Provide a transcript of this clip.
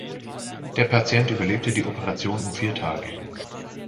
Der Patient überlebte die Operation um vier Tage.